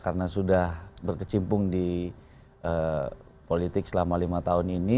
karena sudah berkecimpung di politik selama lima tahun ini